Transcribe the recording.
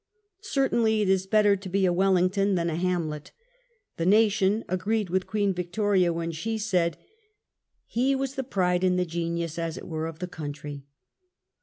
Certainly, it is better to be a Wellington than a Hamlet. The nation agreed with Queen Victoria when she said, " He was the pride and the genius, as it were, of the country."